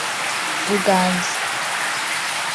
Buganza